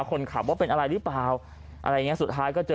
คนขับว่าเป็นอะไรหรือเปล่าอะไรอย่างเงี้สุดท้ายก็เจอ